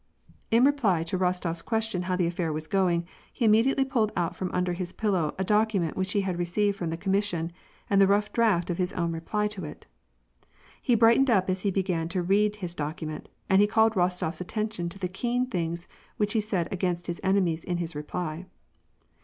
In reply to Rostofs question how the affair was going, he immediately pulled out from under his pillow a document which he had received from the commission, and the rough draft of his own reply to it. He brightened up as he began to read his document, and he called Rostofs attention to the keen things which he said against his enemies in his reply.